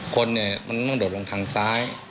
คนเนี่ยมันต้องโดดลงทางซ้าย